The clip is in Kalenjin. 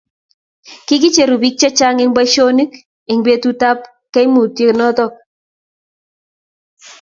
kikicheru bik che chang en boisionik en betusiek ab kaimutik noto